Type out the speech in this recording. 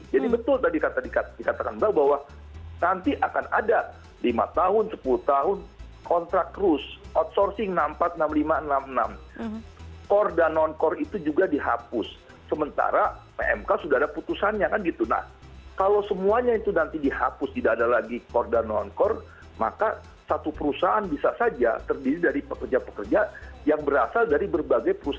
jadi betul tadi dikatakan bahwa nanti akan ada lima tahun sepuluh tahun kontrak rus